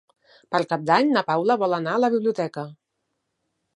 Per Cap d'Any na Paula vol anar a la biblioteca.